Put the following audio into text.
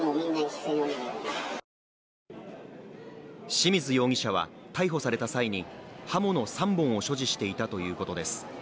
清水容疑者は逮捕された際に刃物３本を所持していたということです。